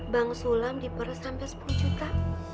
bang sulam diperes sampai sepuluh juta